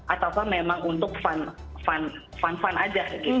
atau memang untuk fun fun aja